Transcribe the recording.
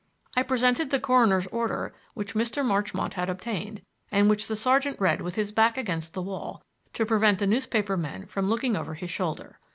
I presented the coroner's order which Mr. Marchmont had obtained, and which the sergeant read with his back against the wall, to prevent the newspaper men from looking over his shoulder.